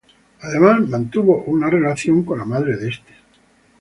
Además, mantuvo una relación con la madre de este.